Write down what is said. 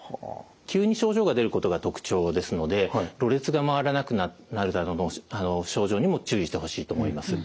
急に症状が出ることが特徴ですのでろれつがまわらなくなるなどの症状にも注意してほしいと思います。